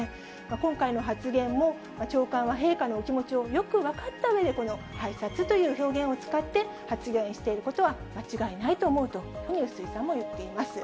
今回の発言も、長官は陛下のお気持ちをよく分かったうえで、この拝察という表現を使って、発言していることは間違いないと思うというふうに、笛吹さんも言っています。